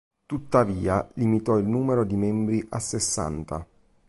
Tuttavia limitò il numero di membri a sessanta.